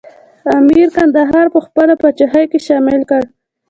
امیر کندهار په خپله پاچاهۍ کې شامل کړ.